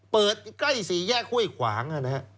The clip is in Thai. เปิดใกล้สี่แย่ค่วยขวาง